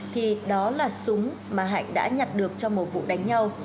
thì đó là súng mà hạnh đã nhặt được trong một vụ đánh nhau